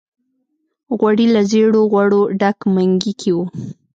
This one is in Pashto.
غوړي له زېړو غوړو ډک منګي کې وو.